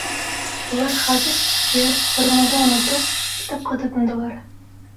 Улар хәҙер, йыр, гармунды онотоп, китапҡа тотондолар.